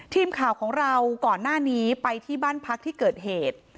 ทีมข่าวของเราก่อนหน้านี้ไปที่บ้านพักที่เกิดเหตุ